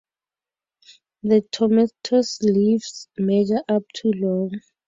The tomentose leaves measure up to long.